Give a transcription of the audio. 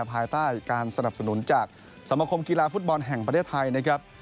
ภายใต้การสนับสนุนจากสมคมกีฬาฟุตบอลแห่งประเทศไทยนะครับ